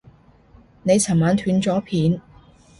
你尋晚斷咗片